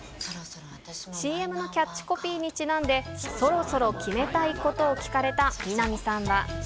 ＣＭのキャッチコピーにちなんで、そろそろ決めたいことを聞かれたみな実さんは。